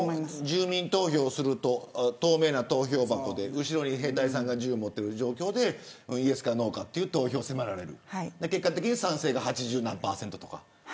住民投票すると透明な投票箱で後ろで兵隊さんが銃を持っている状況でイエスかノーか投票を迫られる結果的には賛成が８０何％。